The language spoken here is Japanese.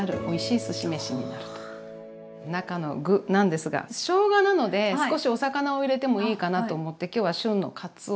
中の具なんですがしょうがなので少しお魚を入れてもいいかなと思って今日は旬のかつお。